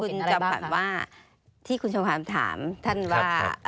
คือกำลังจะบอกคุณกับคุณว่าที่คุณชมความถามท่านว่า